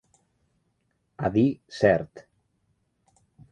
A dir cert.